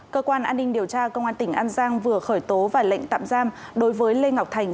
cơ quan an ninh điều tra công an tỉnh an giang vừa khởi tố và lệnh tạm giam đối với lê ngọc thành